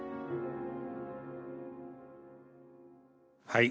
はい。